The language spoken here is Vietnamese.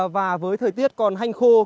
và với thời tiết còn hành khô